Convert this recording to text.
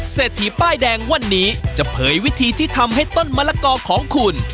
เศรษฐีป้ายแดงวันนี้จะเผยวิธีที่ทำให้ต้นมะละกอของคุณ